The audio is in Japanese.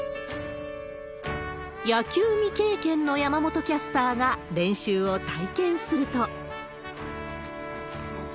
野球未経験の山本キャスターが練習を体験すると。